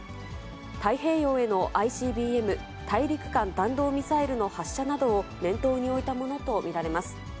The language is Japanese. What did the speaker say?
太平洋へのＩＣＢＭ・大陸間弾道ミサイルの発射などを念頭に置いたものと見られます。